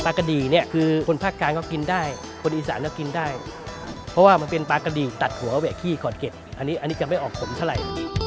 ปลากระดีคือคนภาคการเขากินได้คนอีสานก็กินได้เพราะว่ามันเป็นปลากระดีตัดหัวแหวะขี้ขอดเก็บอันนี้จะไม่ออกขมเฉล่าย